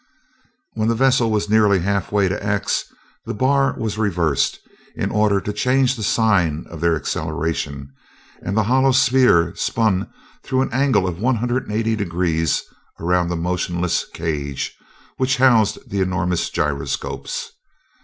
When the vessel was nearly half way to "X," the bar was reversed in order to change the sign of their acceleration, and the hollow sphere spun through an angle of one hundred and eighty degrees around the motionless cage which housed the enormous gyroscopes.